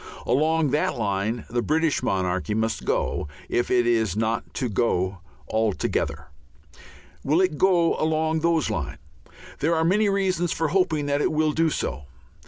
Along that line the British monarchy must go if it is not to go altogether. Will it go along those lines? There are many reasons for hoping that it will do so.